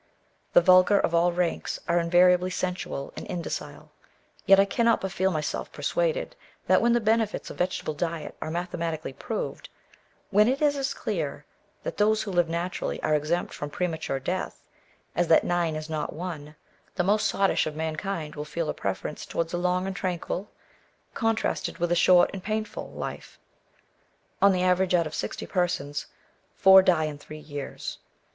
The vulgar of all ranks are invariably sensual and indocile ; yet I cannot but feel myself per suaded, that when the benefits of vegetable diet are mathematically proved ; when it is as clear, that those who live naturally are exempt from premature death, as that nine is not one, the most sottish of mankind will feel a preference towards a long and tranquil, con trasted with a short and painful life. On the average, out of sixty persons, four die in three years.